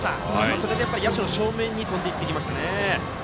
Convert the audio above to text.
それで、野手の正面に飛んでいきましたね。